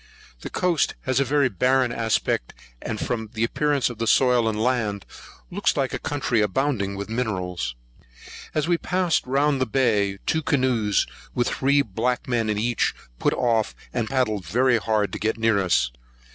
The coast has a very barren aspect; and, from the appearance of the soil and land, looks like a country abounding with minerals. As we passed round the bay, two canoes, with three black men in each, put off, and paddled very hard to get near us.